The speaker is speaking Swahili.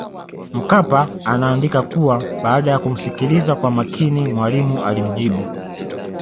Mkapa anaandika kuwa baada ya kumsikiliza kwa makini Mwalimu alimjibu